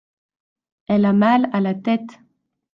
Elle a mal à la tête.